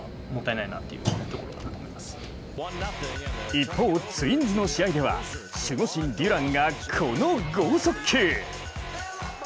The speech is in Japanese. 一方、ツインズの試合では守護神・デュランがこの剛速球。